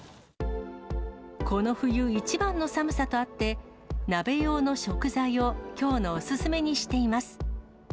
この冬一番の寒さとあって、鍋用の食材をきょうのお勧めにしています。